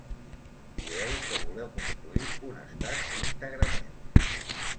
Dieu que voleu construir un estat íntegrament.